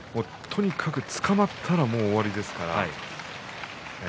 つかまったら終わりですから。